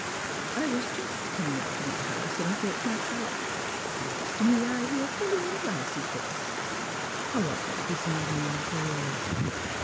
" I was just comin' out of my house, and I thought to myself : seems to me I hear Philuf a Rice's voice. How are you this evening, Phi lura?